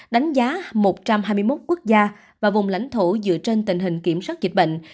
đánh giá một trăm hai mươi một quốc gia và vùng lãnh thổ dựa trên tình hình kiểm soát dịch bệnh